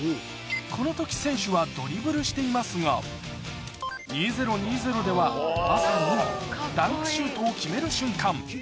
この時選手はドリブルしていますが２０２０ではまさに今ダンクシュートを決める瞬間